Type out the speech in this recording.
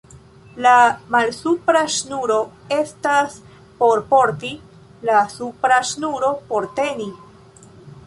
La malsupra ŝnuro estas por porti, la supra ŝnuro por teni.